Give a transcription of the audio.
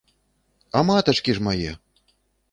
А матачкі ж мае!